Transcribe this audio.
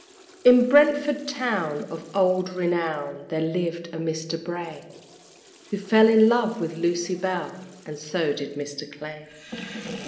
In Brentford town, of old renown, There lived a Mister Bray, Who fell in love with Lucy Bell, And so did Mr. Clay.